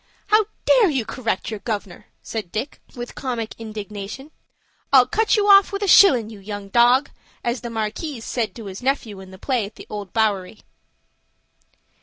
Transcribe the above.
"How dare you correct your gov'nor?" said Dick, with comic indignation. "'I'll cut you off with a shillin', you young dog,' as the Markis says to his nephew in the play at the Old Bowery."